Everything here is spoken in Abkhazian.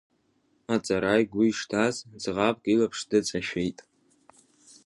Аҵара игәы ишҭаз ӡӷабк илаԥш дыҵашәеит.